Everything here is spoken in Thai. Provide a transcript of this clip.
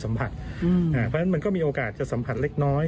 สัมผัสอืมอ่าเพราะฉะนั้นมันก็มีโอกาสจะสัมผัสเล็กน้อย